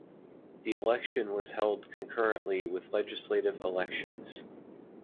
The election was held concurrently with legislative elections.